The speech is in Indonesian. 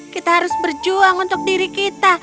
kita harus berjuang untuk diri kita